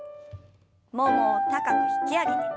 ももを高く引き上げて。